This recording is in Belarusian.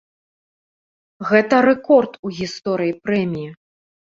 Гэта рэкорд у гісторыі прэміі.